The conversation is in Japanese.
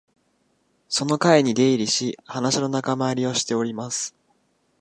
その会に出入りし、話の仲間入りをしております